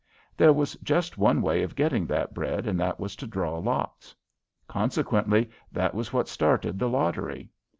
There was just one way of getting that bread, and that was to draw lots. Consequently that was what started the lottery.